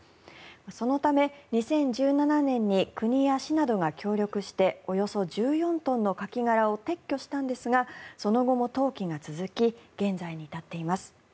そのため、２０１７年に国や市などが協力しておよそ１４トンのカキ殻を撤去したんですがその後も投棄が続き現在に至っています。